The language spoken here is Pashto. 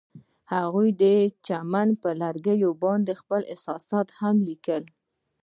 هغوی د چمن پر لرګي باندې خپل احساسات هم لیکل.